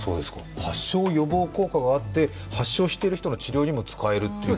発症予防効果があって、発症している方にも使えると。